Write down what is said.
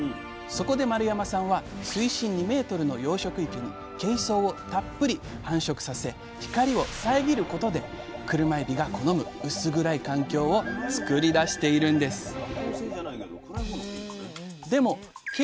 そこで丸山さんは水深２メートルの養殖池にけい藻をたっぷり繁殖させ光を遮ることでクルマエビが好む薄暗い環境を作り出しているんです。